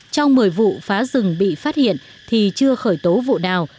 trong một mươi vụ phá rừng bị phát hiện thì chưa khởi tố vụ nào